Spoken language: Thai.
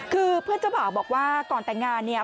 คือเพื่อนเจ้าบ่าวบอกว่าก่อนแต่งงานเนี่ย